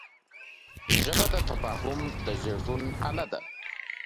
ژبه د تفاهم د زېږون اله ده